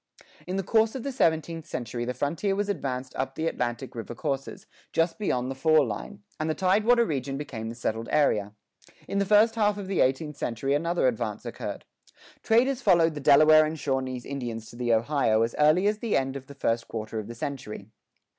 In the course of the seventeenth century the frontier was advanced up the Atlantic river courses, just beyond the "fall line," and the tidewater region became the settled area. In the first half of the eighteenth century another advance occurred. Traders followed the Delaware and Shawnese Indians to the Ohio as early as the end of the first quarter of the century.